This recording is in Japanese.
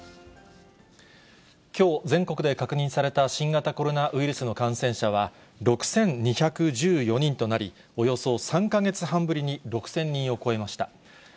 きょう全国で確認された新型コロナウイルスの感染者は６２１４人となり、およそ３か月半ぶりに６０００人を超えました。